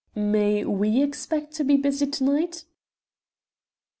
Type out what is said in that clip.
"May we expect to be busy to night?"